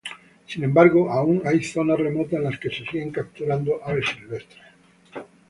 Sin embargo, aún hay zonas remotas en las que se siguen capturando aves silvestres.